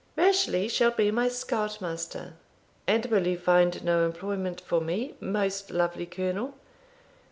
"Rashleigh shall be my scout master." "And will you find no employment for me, most lovely colonel?"